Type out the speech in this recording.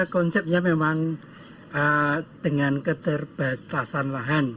konsepnya memang dengan keterbatasan lahan